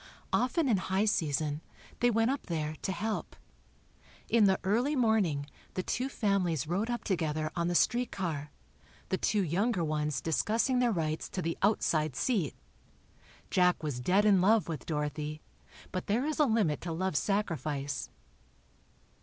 Often in high season, they went up there, to help. In the early morning, the two families rode up together on the streetcar, the two younger ones discussing their rights to the "outside seat." Jack was dead in love with Dorothy, but there is a limit to love's sacrifice.